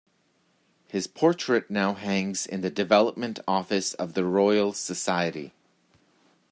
His portrait now hangs in the Development Office of the Royal Society.